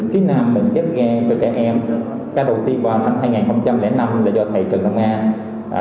phía nam mình ghép gan với trẻ em ca đầu tiên vào năm hai nghìn năm là do thầy trần đồng nga